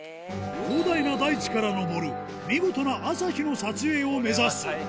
広大な大地から昇る、見事な朝日の撮影を目指す。